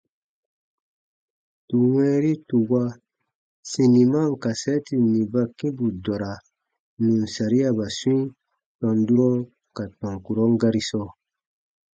Tù wɛ̃ɛri tù wa siniman kasɛɛti nì ba kĩ bù dɔra nù n sariaba swĩi tɔn durɔ ka tɔn kurɔn gari sɔɔ.